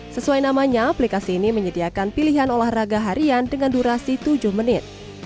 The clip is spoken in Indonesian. sesuai namanya aplikasi ini menyediakan pilihan olahraga harian dengan durasi tujuh menit